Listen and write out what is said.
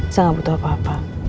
saya nggak butuh apa apa